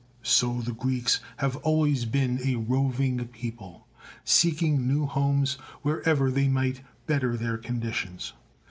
So the Greeks have always been a roving people, seeking new homes wherever they might better their conditions.